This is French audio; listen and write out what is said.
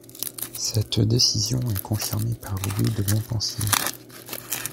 Cette décision est confirmée par Louis de Montpensier.